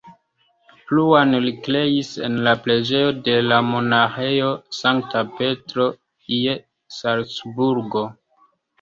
Pluan li kreis en la preĝejo de la monaĥejo Sankta Petro je Salcburgo.